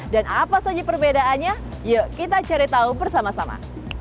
dan apa saja perbedaannya yuk kita cari tahu bersama sama